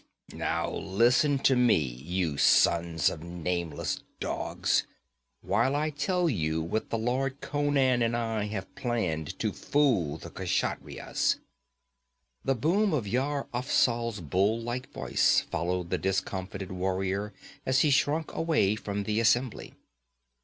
'Now listen to me, you sons of nameless dogs, while I tell you what the lord Conan and I have planned to fool the Kshatriyas.' The boom of Yar Afzal's bull like voice followed the discomfited warrior as he slunk away from the assembly.